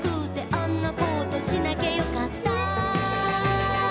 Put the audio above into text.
「あんなことしなきゃよかったな」